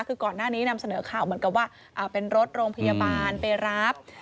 คือก่อนหน้านี้นำเสนอข่าวเหมือนกับว่าเป็นรถโรงพยาบาลไปรับ